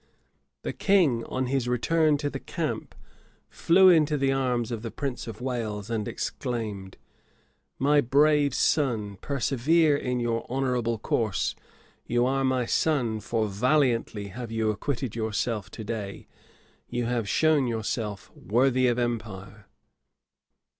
The king, on his return to the camp, flew into the arms of the prince of Wales, and exclaimed, "My brave son persevere in your honorable course: you are my son! for valiantly have you acquitted yourself to day: you have shown yourself worthy of empire."